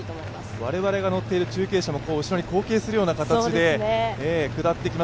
我々が乗っている中継車も、後ろに貢献するような形で下っていきます。